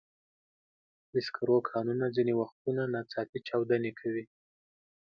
د سکرو کانونه ځینې وختونه ناڅاپي چاودنې کوي.